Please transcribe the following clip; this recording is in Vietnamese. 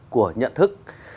của nhận thức